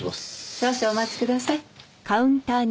少々お待ちください。